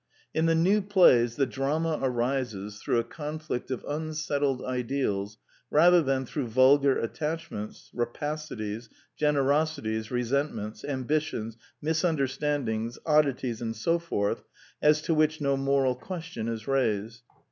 In the new plays, the drama arises through a conflict of unsettled ideals rather than through vulgar attachments, rapacities, generosities, resent ments, ambitions, misunderstandings, oddities and so forth as to which no moral question is raised.